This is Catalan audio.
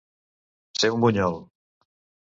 Ser un bunyol.